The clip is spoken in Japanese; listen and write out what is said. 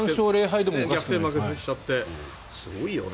逆転負けしちゃってすごいよね。